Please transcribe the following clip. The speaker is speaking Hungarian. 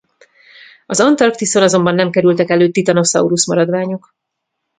Az Antarktiszon azonban nem kerültek elő titanosaurus maradványok.